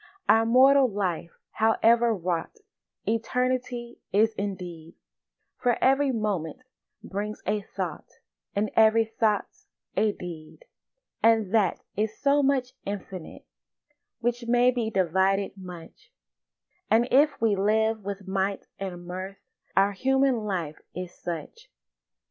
Our mortal life, however wrought, Eternity is indeed; For every moment brings a thought, And every thought's a deed; And that is so much infinite Which may be divided much; And if we live with might and mirth Our human life is such.